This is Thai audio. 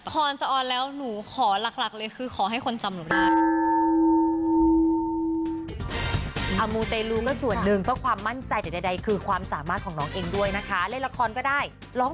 อนจะออนแล้วหนูขอหลักเลยคือขอให้คนจำหนูได้